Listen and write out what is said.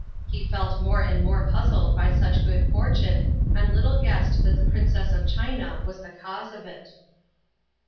He felt more and more puzzled by such good fortune, and little guessed that the Princess of China was the cause of it.